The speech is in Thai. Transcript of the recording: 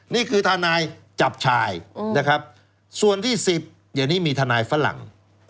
นี่คือทนายจับชายนะครับส่วนที่๑๐เดี๋ยวนี้มีทนายฝรั่ง